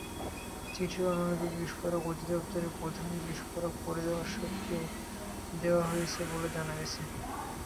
চিঠির অনুলিপি বিস্ফোরক অধিদপ্তরের প্রধান বিস্ফোরক পরিদর্শককেও দেওয়া হয়েছে বলে জানা গেছে।